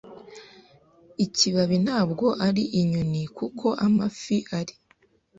Ikibabi ntabwo ari inyoni nkuko amafi ari.